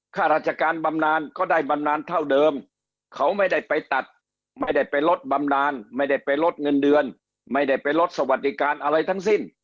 ข้าราชการบำนานก็ได้บำนานเท่าเดิมเขาไม่ได้ไปตัดไม่ได้ไปลดบำนานไม่ได้ไปลดเงินเดือนไม่ได้ไปลดสวัสดิการอะไรทั้งสิ้น